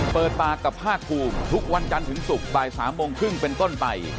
เปิดปากกับภาคภูมิทุกวันจันทร์ถึงศุกร์บ่าย๓โมงครึ่งเป็นต้นไป